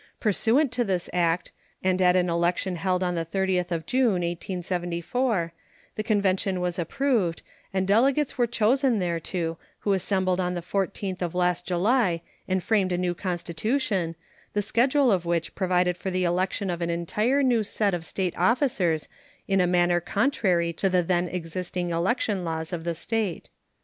Pursuant to this act, and at an election held on the 30th of June, 1874, the convention was approved, and delegates were chosen thereto, who assembled on the 14th of last July and framed a new constitution, the schedule of which provided for the election of an entire new set of State officers in a manner contrary to the then existing election laws of the State.